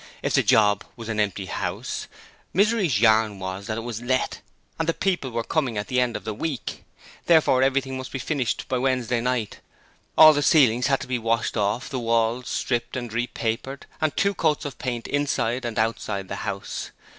If the 'job' was at an empty house, Misery's yarn was that it was let! the people were coming in at the end of the week! therefore everything must be finished by Wednesday night. All the ceilings had to be washed off, the walls stripped and repapered, and two coats of paint inside and outside the house.